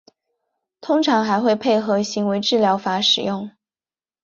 通常还会配合行为治疗法使用。